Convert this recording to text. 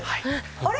あれ？